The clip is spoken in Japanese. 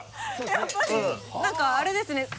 やっぱり？何かアレですねねぇ！